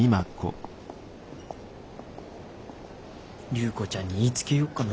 隆子ちゃんに言いつけようかな。